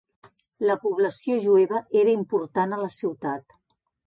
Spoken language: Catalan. La població jueva era important a la ciutat.